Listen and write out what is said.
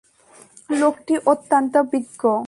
লোকটি অত্যন্ত বিজ্ঞ।